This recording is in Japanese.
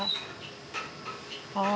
ああ。